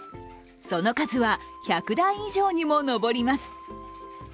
その数は１００台以上にも上ります。